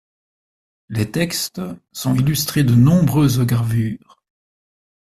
Les textes sont illustrés de nombreuses gravures.